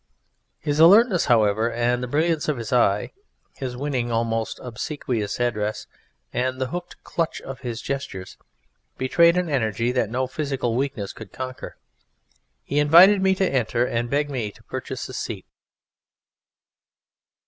His alertness, however, and the brilliance of his eye; his winning, almost obsequious address, and the hooked clutch of his gestures betrayed an energy that no physical weakness could conquer. He invited me to enter, and begged me to purchase a seat.